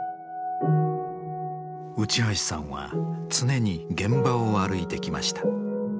内橋さんは常に現場を歩いてきました。